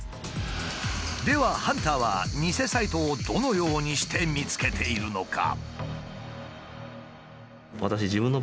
ではハンターは偽サイトをどのようにして見つけているのか？